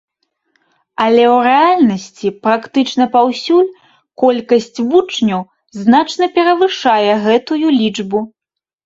Але ў рэальнасці практычна паўсюль колькасць вучняў значна перавышае гэтую лічбу.